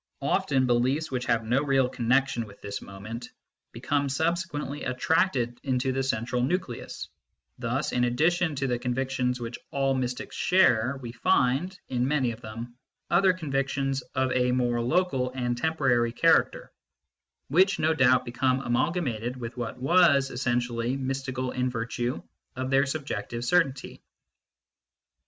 Often, beliefs which have no real connection with this moment become subse quently attracted into the central nucleus ; thus in addi tion to the convictions which all mystics share, we find, in many of them, other convictions of a more local and temporary character, which no doubt become amalga mated with what was essentially mystical in virtue of their subjective certainty.